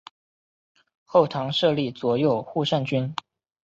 后唐设立左右护圣军。